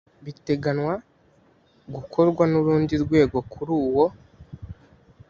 biteganywa gukorwa n urundi rwego kuri uwo